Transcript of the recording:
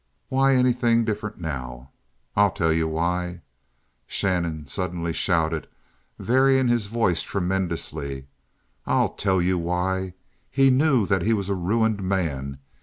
Why anything different now? I'll tell you why! [Shannon suddenly shouted, varying his voice tremendously.] I'll tell you why! He knew that he was a ruined man!